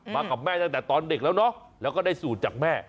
กับแม่ตั้งแต่ตอนเด็กแล้วเนาะแล้วก็ได้สูตรจากแม่